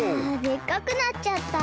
でっかくなっちゃった！